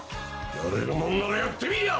やれるもんならやってみぃや！